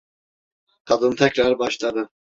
Kadın tekrar başladı: